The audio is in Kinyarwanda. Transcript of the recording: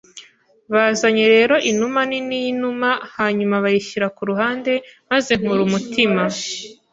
Bazanye rero inuma nini yinuma hanyuma bayishyira kuruhande, maze nkora umutima